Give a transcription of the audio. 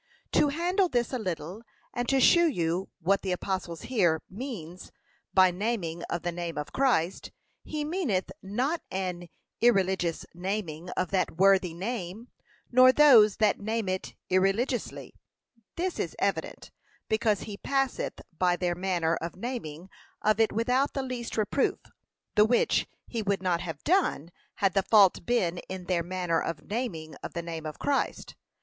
To handle this a little, and to shew you what the apostle here means by naming of the name of Christ: he meaneth not an irreligious naming of that worthy name, nor those that name it irreligiously. This is evident, because he passeth by their manner of naming of it without the least reproof, the which he would not have done had the fault been in their manner of naming of the name of Christ.